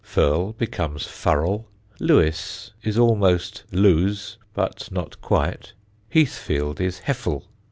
Firle becomes Furrel; Lewes is almost Lose, but not quite; Heathfield is Hefful.